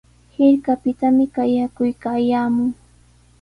Hirkapitami qayakuykaayaamun.